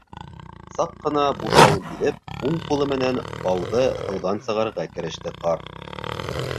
Саҡ ҡына бушауын һиҙеп, уң ҡулы менән бауҙы һыуҙан сығарырға кереште ҡарт.